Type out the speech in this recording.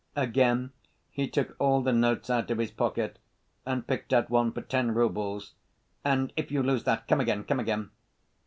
Again he took all the notes out of his pocket and picked out one for ten roubles. "And if you lose that, come again, come again."